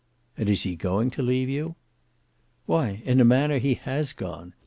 "And is he going to leave you?" "Why in a manner he has gone.